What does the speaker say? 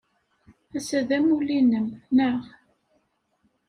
Ass-a d amulli-nnem, naɣ?